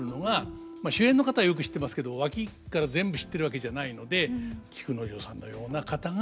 まあ主演の方よく知ってますけど脇から全部知ってるわけじゃないので菊之丞さんのような方が。